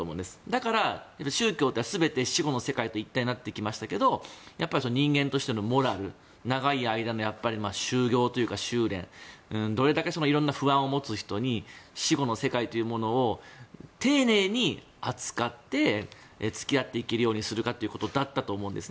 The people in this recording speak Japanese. だから宗教というのは全て死後の世界と一体になってきましたけど人間としてのモラル長い間の修行というか修練どれだけ不安を持つ人に死後の世界というのを丁寧に扱って付き合っていけるようにするかということだったと思うんです。